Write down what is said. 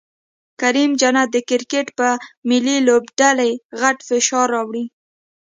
کریم جنت د کرکټ په ملي لوبډلې غټ فشار راوړي